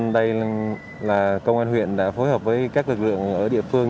đây là công an huyện đã phối hợp với các lực lượng ở địa phương